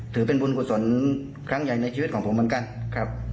ถือเป็นบุญกุศลครั้งใหญ่ในชีวิตของผมเหมือนกันครับ